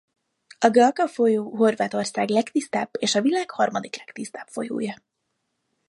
A Gacka folyó Horvátország legtisztább és a világ harmadik legtisztább folyója.